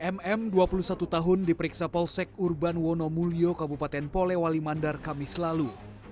mm dua puluh satu tahun diperiksa polsek urban wonomulyo kabupaten polewali mandar kamis lalu